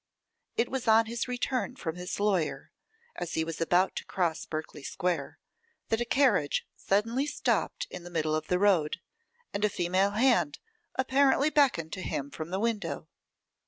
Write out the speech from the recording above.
It was on his return from his lawyer, as he was about to cross Berkeley square, that a carriage suddenly stopped in the middle of the road, and a female hand apparently beckoned to him from the window.